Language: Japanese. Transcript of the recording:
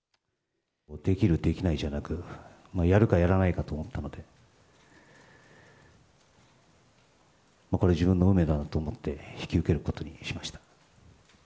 できる、できないじゃなく、やるかやらないかと思ったので、これ、自分の運命だなと思って、引き受けることにしました。